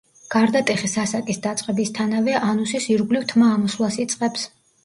გარდატეხის ასაკის დაწყებისთანავე ანუსის ირგლივ თმა ამოსვლას იწყებს.